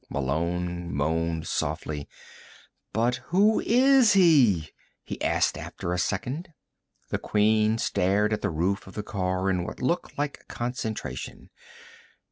Malone moaned softly. "But who is he?" he asked after a second. The Queen stared at the roof of the car in what looked like concentration.